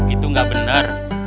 itu nggak benar